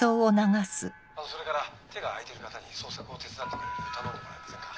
それから手が空いてる方に捜索を手伝ってくれるように頼んでもらえませんか？